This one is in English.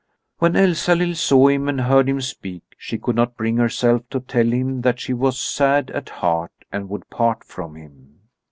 When Elsalill saw him and heard him speak she could not bring herself to tell him that she was sad at heart and would part from him.